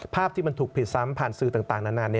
ภาพที่มันถูกผิดซ้ำผ่านสื่อต่างนาน